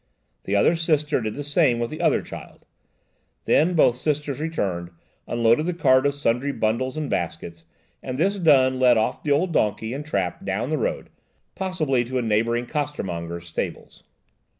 The other Sister did the same with the other child; then both Sisters returned, unloaded the cart of sundry bundles and baskets, and, this done, led off the old donkey and trap down the road, possibly to a neighbouring costermonger's stables.